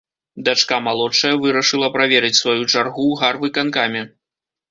Дачка малодшая вырашыла праверыць сваю чаргу ў гарвыканкаме.